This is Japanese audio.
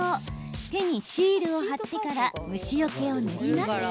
手にシールを貼ってから虫よけを塗ります。